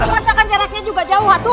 masakan jaraknya juga jauh